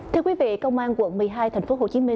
thưa quý vị công an quận một mươi hai tp hcm